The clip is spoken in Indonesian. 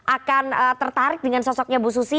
akan tertarik dengan sosoknya bu susi